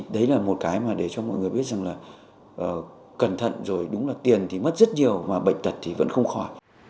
đấy là một cái mà để cho mọi người biết rằng là cẩn thận rồi đúng là tiền thì mất rất nhiều mà bệnh tật thì vẫn không khỏi